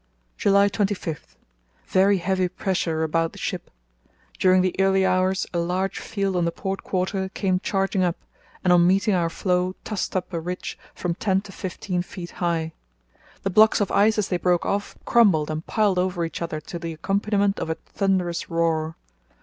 "July 25.—Very heavy pressure about the ship. During the early hours a large field on the port quarter came charging up, and on meeting our floe tossed up a ridge from ten to fifteen feet high. The blocks of ice as they broke off crumbled and piled over each other to the accompaniment of a thunderous roar.